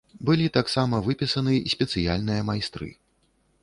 Былі таксама выпісаны спецыяльныя майстры.